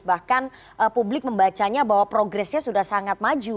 bahkan publik membacanya bahwa progresnya sudah sangat maju